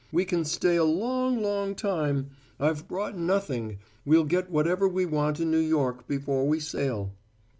We can stay a long, long time. I've brought nothing we'll get whatever we want in New York before we sail."